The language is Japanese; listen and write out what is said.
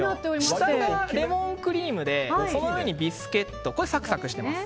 下がレモンクリームでその上にビスケットサクサクしてます。